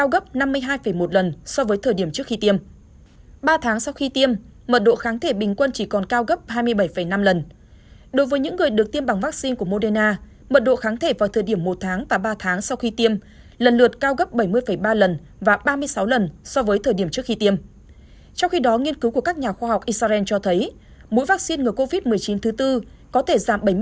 hãy đăng ký kênh để ủng hộ kênh của chúng mình nhé